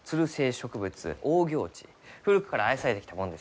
古くから愛されてきたもんです。